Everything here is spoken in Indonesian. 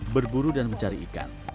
berburu dan mencari ikan